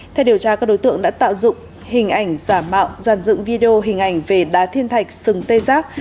theo điều tra các đối tượng đã tạo dụng hình ảnh giả mạo dàn dựng video hình ảnh về đá thiên thạch sừng tê giác